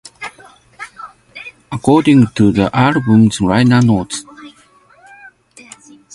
According to the album's liner notes.